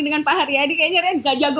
dengan pak hari adi kayaknya saya tidak jago